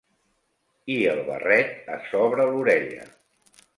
...i el barret a sobre l'orella